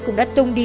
cũng đã tung đi